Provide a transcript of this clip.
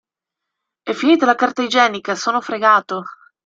È finita la carta igienica, sono fregato!